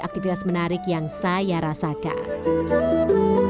aktivitas menarik yang saya rasakan